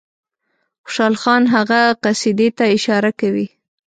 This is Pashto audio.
خوشحال خان هغه قصیدې ته اشاره کوي.